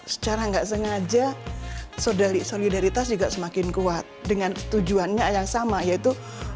secara nggak sengaja solidaritas juga semakin kuat dengan tujuannya yang sama yaitu